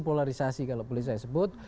polarisasi kalau boleh saya sebut